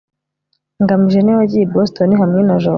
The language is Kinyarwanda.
ngamije niwe wagiye i boston hamwe na jabo